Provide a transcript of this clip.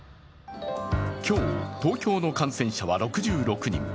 今日、東京の感染者は６６人。